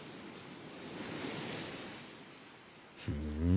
ふん。